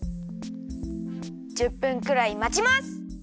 １０分くらいまちます。